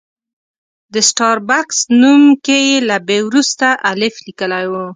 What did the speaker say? د سټار بکس نوم کې یې له بي وروسته الف لیکلی و.